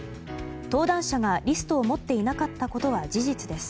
登壇者がリストを持っていなかったことは事実です。